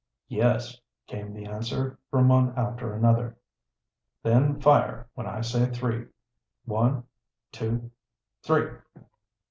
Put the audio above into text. "Yes," came the answer, from one after another. "Then fire when I say three. One, two three!"